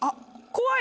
怖い！